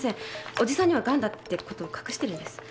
おじさんにはガンだってこと隠してるんです。